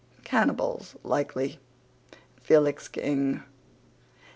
Cannibals, likely. FELIX KING.